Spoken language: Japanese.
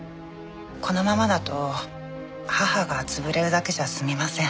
このままだと母が潰れるだけじゃ済みません。